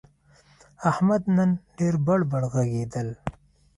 احمد نن ډېر بړ بړ ږغېدل.